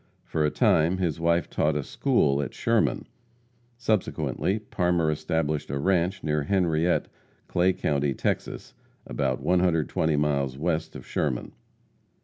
For a time, his wife taught a school at Sherman. Subsequently, Parmer established a ranche near Henriette, Clay county, Texas, about 120 miles west of Sherman.